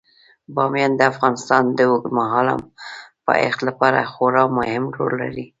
بامیان د افغانستان د اوږدمهاله پایښت لپاره خورا مهم رول لري.